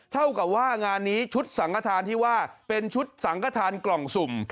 เท่ากับว่างานนี้ชุดสังฆฐานที่ว่าเป็นชุดสังขทานกล่องสุ่ม